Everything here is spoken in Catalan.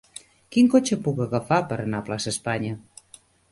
Quin cotxe puc agafar per anar a Plaça Espanya?